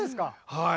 はい。